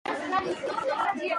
موږ به د خج په اړه نور زده کړو.